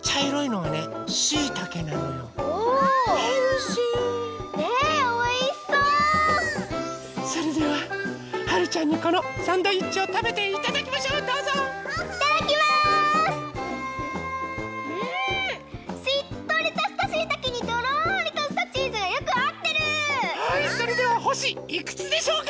はいそれではほしいくつでしょうか？